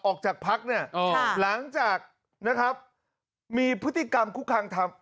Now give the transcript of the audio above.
ออกจากพักเนี่ยหลังจากนะครับมีพฤติกรรมคุกคางทำ